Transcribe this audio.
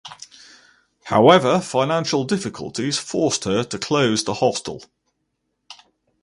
However financial difficulties forced her to close the hostel.